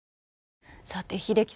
さて英樹さん